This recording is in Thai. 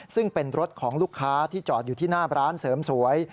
ซึ่งเป็นรถของลูกค้าที่จอดอยู่ที่หน้าร้านเสริมสวย